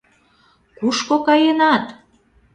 Кушко каенат?!